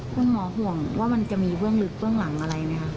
ห่วงว่ามันจะมีเบื้องลึกเบื้องหลังอะไรไหมคะ